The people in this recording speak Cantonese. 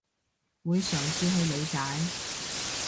會嘗試去理解